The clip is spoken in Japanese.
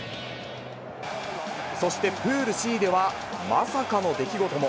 そしてプールＣでは、まさかの出来事も。